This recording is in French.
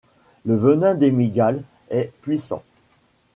Le venin des mygales est puissant.